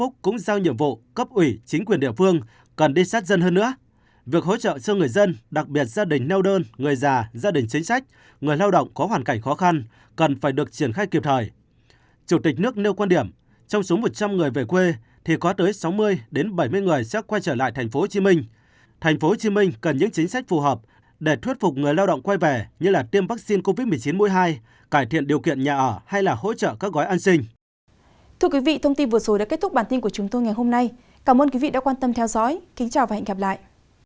thưa quý vị thông tin vừa rồi đã kết thúc bản tin của chúng tôi ngày hôm nay cảm ơn quý vị đã quan tâm theo dõi kính chào và hẹn gặp lại